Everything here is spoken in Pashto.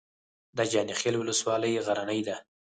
د جاني خیل ولسوالۍ غرنۍ ده